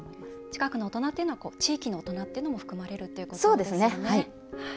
近くの大人というのは地域の大人も含まれるということですね。